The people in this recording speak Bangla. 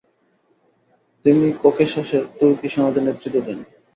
তিনি ককেসাসে তুর্কি সেনাদের নেতৃত্ব দেন।